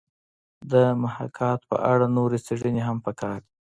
د محاکات په اړه نورې څېړنې هم پکار دي